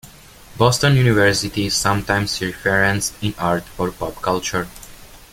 Boston University is sometimes referenced in art or pop culture.